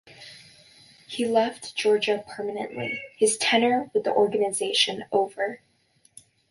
He left Georgia permanently, his tenure with the organization over.